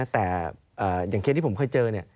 แต่อย่างเคสที่ผมเคยเจอ